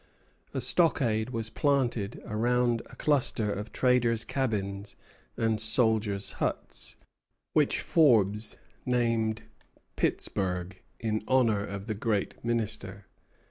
A stockade was planted around a cluster of traders' cabins and soldiers' huts, which Forbes named Pittsburg, in honor of the great minister.